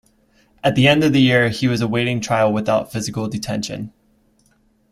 At the end of the year he was awaiting trial without physical detention.